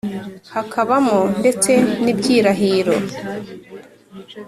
hakabamo ndetse n’ibyirahiro